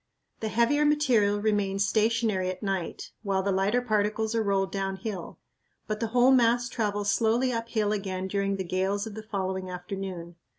The heavier material remains stationary at night while the lighter particles are rolled downhill, but the whole mass travels slowly uphill again during the gales of the following afternoon.